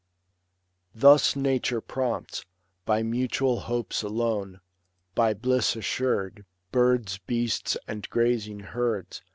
Thus nature prompts ; by mutual hopes alone. By bliss assur'd, birds, beasts, and grazing herds.